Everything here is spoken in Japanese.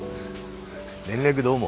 連絡どうも。